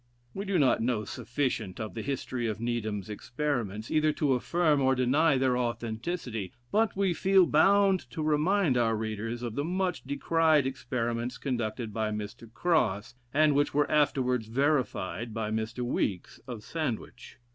We do not know sufficient of the history of Needham's experiments, either to affirm or deny their authenticity, but we feel bound to remind our readers of the much decried experiments conducted by Mr. Crosse, and which were afterwards verified by Mr. Weekes, of Sandwich.